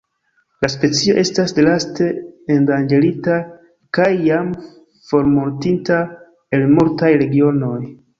La specio estas draste endanĝerita kaj jam formortinta el multaj regionoj.